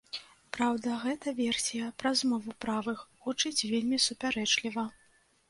Праўда, гэта версія пра змову правых гучыць вельмі супярэчліва.